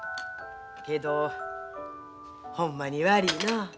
けどほんまに悪いなあ。